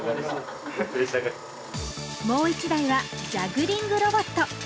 もう１台はジャグリングロボット。